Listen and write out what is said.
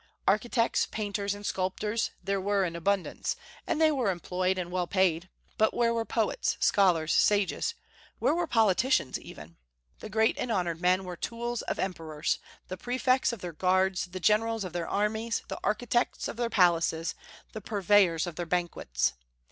Architects, painters, and sculptors there were in abundance, and they were employed and well paid; but where were poets, scholars, sages? where were politicians even? The great and honored men were the tools of emperors, the prefects of their guards, the generals of their armies, the architects of their palaces, the purveyors of their banquets.